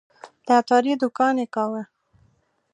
د عطاري دوکان یې کاوه.